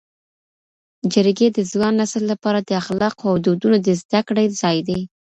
جرګې د ځوان نسل لپاره د اخلاقو او دودونو د زده کړې ځای دی.